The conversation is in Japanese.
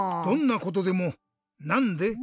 どんなことでも「なんで？